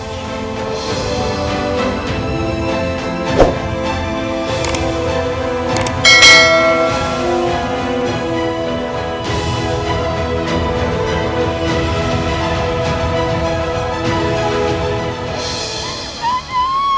kami bercerai untuk bapak temu